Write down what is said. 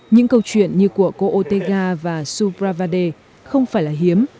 những câu chuyện như của cô otega và subravade không phải là hiếm